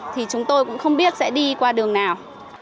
thì chúng tôi cũng không biết sẽ đi qua đường nào